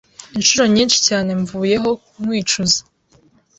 Inshuro nyinshi cyane mvuyeho nkwicuza